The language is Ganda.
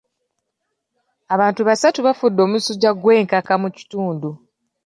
Abantu basatu bafudde omusujja gw'enkaka mu kitundu